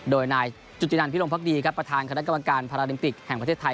โดยนายจุธินันพิรมภักดีครับประธานคณะกรรมการพาราลิมปิกแห่งประเทศไทย